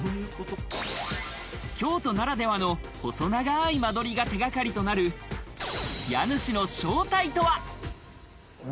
京都ならではの細長い間取りが手掛かりとなる家主の正体とは？